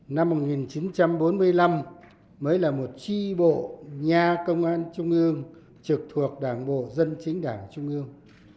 năm một nghìn chín trăm bốn mươi năm mới là một tri bộ nha công an trung ương trực thuộc đảng bộ dân chính đảng trung ương